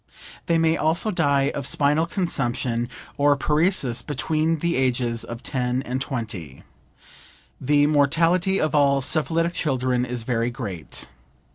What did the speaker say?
They may also die of spinal consumption or paresis between the ages of 10 and 20. The mortality of all syphilitic children is very great.